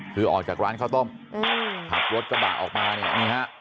คือออกจากร้านข้าวต้มขับรถกระบะออกมาเนี่ยนี่ฮะ